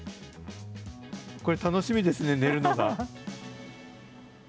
これ、楽しみですね、寝るのが。